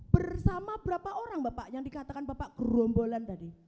bersama berapa orang bapak yang dikatakan bapak gerombolan tadi